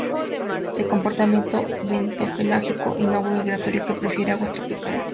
De comportamiento bentopelágico y no migratorio, que prefiere aguas tropicales.